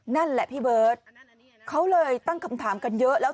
นั่นแหละพี่เบิร์ตเขาเลยตั้งคำถามกันเยอะแล้ว